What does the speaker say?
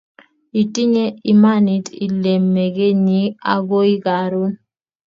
itinye imanit ile mekenyi akoi karon